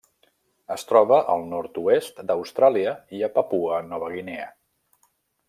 Es troba al nord-oest d'Austràlia i a Papua Nova Guinea.